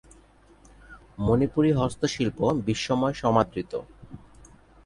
মণিপুরী হস্তশিল্প বিশ্বময় সমাদৃত।